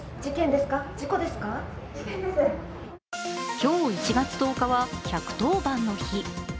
今日１月１０日は１１０番の日。